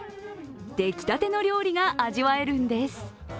出来たての料理が味わえるんです。